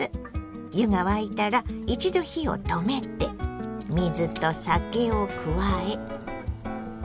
湯が沸いたら一度火を止めて水と酒を加えかき混ぜます。